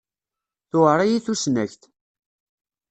Tuɛer-iyi tusnakt.